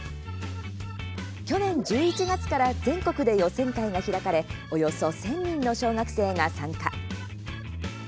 去年１１月から全国で予選会が開かれおよそ１０００人の小学生が参加。